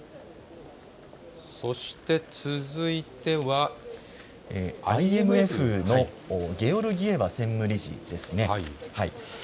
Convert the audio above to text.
そして続いてはＩＭＦのゲオルギエワ専務理事ですね。